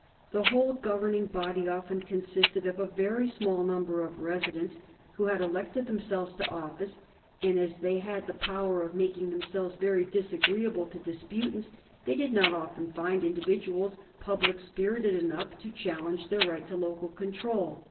The whole governing body often consisted of a very small number of residents who had elected themselves to office, and as they had the power of making themselves very disagreeable to disputants they did not often find individuals public spirited enough to challenge their right of local control.